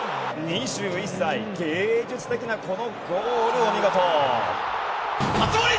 ２１歳、芸術的なこのゴールお見事。